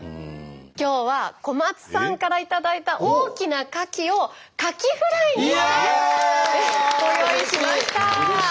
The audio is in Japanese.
今日は小松さんから頂いた大きなかきをかきフライにしてご用意しました！